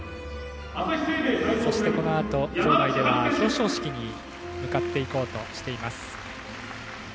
そして、このあと場内では表彰式に向かっていこうとしています。